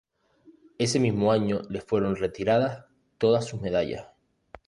Ese mismo año, le fueron retiradas todas sus medallas.